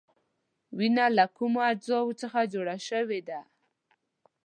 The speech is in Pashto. وینه له کومو اجزاوو څخه جوړه شوې ده؟